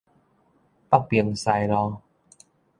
北平西路